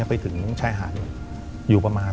ไปถึงชายหาดอยู่ประมาณ